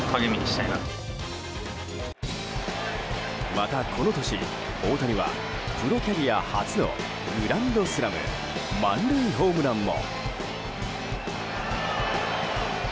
またこの年、大谷はプロキャリア初のグランドスラム満塁ホームランも。